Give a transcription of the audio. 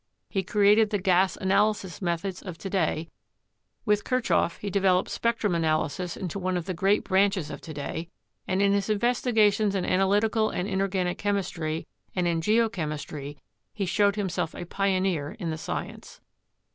He cre ated the gas analysis methods of to day, with Kirchhoff he developed spectrum analysis into one of the great branches of to day, and in his investigations in analytical and inorganic chemistry and in geochemistry he showed himself a pioneer in the science.